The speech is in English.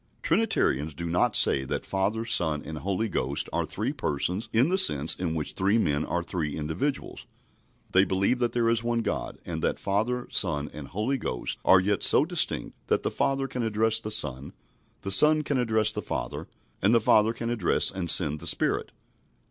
Trinitarians do not say that Father, Son, and Holy Ghost are three Persons in the sense in which three men are three individuals. They believe that there is one God, and that Father, Son, and Holy Ghost are yet so distinct that the Father can address the Son, the Son can address the Father, and the Father can address and send the Spirit.